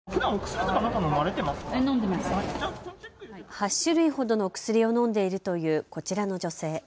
８種類ほどの薬を飲んでいるというこちらの女性。